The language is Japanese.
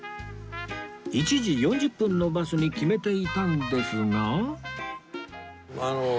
１時４０分のバスに決めていたんですが